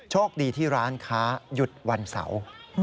โชคดีที่ร้านค้าหยุดวันเสาร์